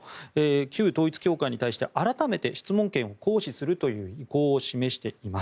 旧統一教会に対して改めて質問権を行使するという意向を示しています。